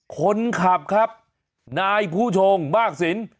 คนขับครับนายภูชงบ้ากศิลป์